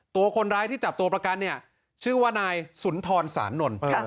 ตัวคนร้ายที่จับตัวประกันเนี่ยชื่อว่านายสุนทรสานนท์